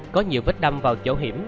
có nhiều vết đâm vào chỗ hiểm